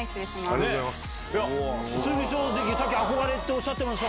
ありがとうございます。